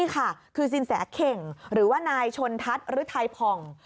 คือซินแสเข่งหรือว่านายชนทัศน์หรือไทยภอง